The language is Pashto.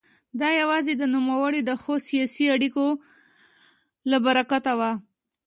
دا یوازې د نوموړي د ښو سیاسي اړیکو له برکته وه.